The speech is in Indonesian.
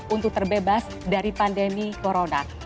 untuk terbebas dari pandemi corona